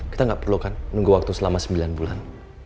kita gak perlukan nunggu waktu selama sembilan bulan